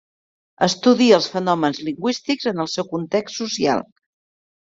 Estudia els fenòmens lingüístics en el seu context social.